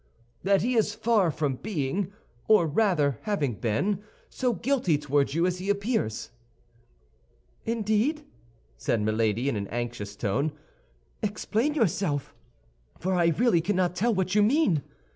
"That he is far from being, or rather having been, so guilty toward you as he appears." "Indeed!" said Milady, in an anxious tone; "explain yourself, for I really cannot tell what you mean."